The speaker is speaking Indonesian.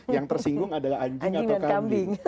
yang tersinggung adalah anjing atau kambing